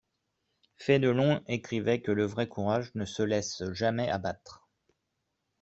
Fénelon écrivait que le vrai courage ne se laisse jamais abattre.